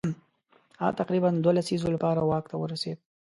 هغه تقریبا دوو لسیزو لپاره واک ورته ورسېد.